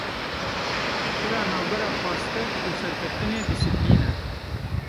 Pira navbera xwastek û serkeftinê, dîsîplîn e.